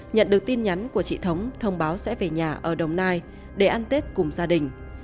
nhận được tin nhắn của chị thống thông báo sẽ về nhà ở đồng nai để ăn tết cùng gia đình